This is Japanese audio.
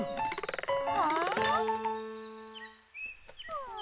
うん？